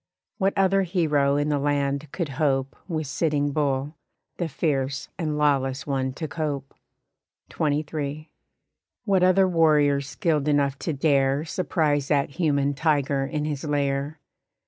What other hero in the land could hope With Sitting Bull, the fierce and lawless one to cope? XXIII. What other warrior skilled enough to dare Surprise that human tiger in his lair?